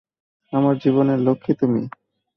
আমার জীবনের লক্ষ্মী তুমি।